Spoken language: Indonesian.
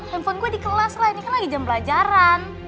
handphone gue di kelas lah ini kan lagi jam pelajaran